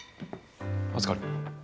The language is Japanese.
預かる。